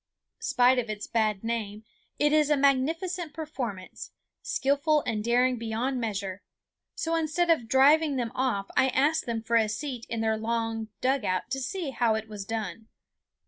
Spite of its bad name it is a magnificent performance, skillful and daring beyond measure; so instead of driving them off I asked for a seat in their long dugout to see how it was done.